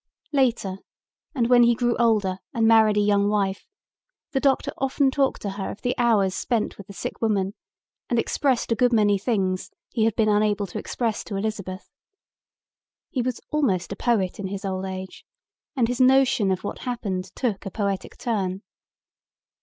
Later, and when he grew older and married a young wife, the doctor often talked to her of the hours spent with the sick woman and expressed a good many things he had been unable to express to Elizabeth. He was almost a poet in his old age and his notion of what happened took a poetic turn.